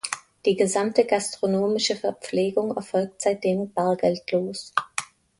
Die gesamte gastronomische Verpflegung erfolgt seitdem bargeldlos.